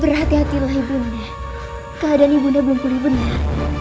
berhati hatilah ibu nunda keadaan ibu nunda belum pulih benar